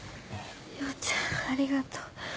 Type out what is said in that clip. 陽ちゃんありがとう。